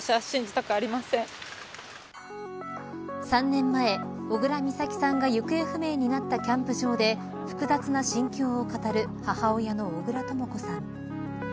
３年前、小倉美咲さんが行方不明になったキャンプ場で複雑な心境を語る母親の小倉とも子さん。